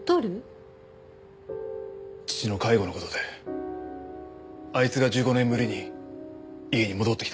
父の介護の事であいつが１５年ぶりに家に戻ってきたんです。